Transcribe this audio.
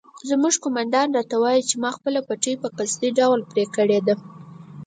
زموږ قومندان راته وایي چې ما خپله پټۍ په قصدي ډول پرې کړې ده.